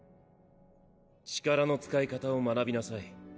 力の使い方を学びなさい。